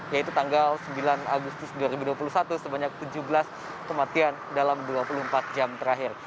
yaitu tanggal sembilan agustus dua ribu dua puluh satu sebanyak tujuh belas kematian dalam dua puluh empat jam terakhir